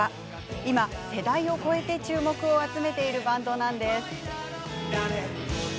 今、世代を超えて注目を集めているバンドなんです。